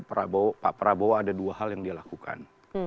pak prabowo ada dua hal yang dia lakukan